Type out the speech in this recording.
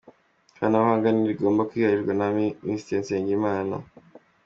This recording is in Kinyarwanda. Ikoranabuhanga ntirigomba kwiharirwa na bamwe Minisitiri Nsengimana